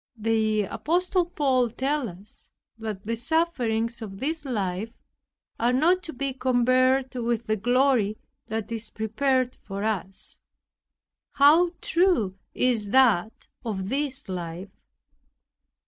The apostle Paul tells us, that "the sufferings of this life are not to be compared with the glory that is prepared for us." How true is that of this life!